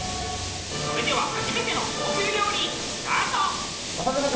それでは初めての高級料理スタート。